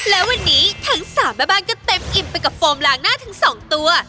และวันนี้ทั้ง๓แม่บ้านก็เต็มอิ่มไปกับโฟมล้างหน้าทั้งสองตัว